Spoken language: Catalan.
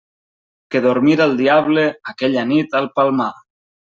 Que dormira el diable aquella nit al Palmar!